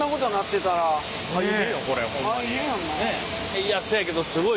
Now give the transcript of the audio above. いやそやけどすごい技術。